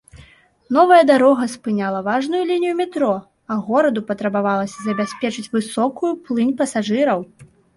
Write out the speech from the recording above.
Новая дарога спыняла важную лінію метро, а гораду патрабавалася забяспечыць высокую плынь пасажыраў.